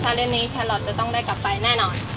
ทัวร์เรื่อนนี้แขลลอร์ตจะต้องได้กลับไปแน่นอน